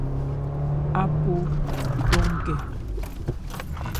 Apo dɔn nkɛ.